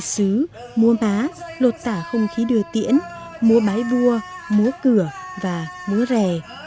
múa sứ múa má lột tả không khí đưa tiễn múa bái vua múa cửa và múa rè